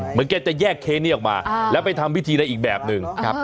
เหมือนแกจะแยกเคละนี้ออกมาอ่าแล้วไปทำวิธีอะไรอีกแบบนึงครับ